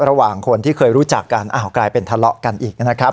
ระหว่างคนที่เคยรู้จักกันอ้าวกลายเป็นทะเลาะกันอีกนะครับ